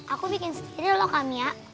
aku bikin sendiri loh kamiya